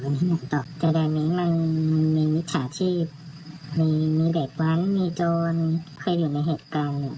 มีเด็กว้านมีโจรมีเขาเองมีคนเคยอยู่ในเหตุการณ์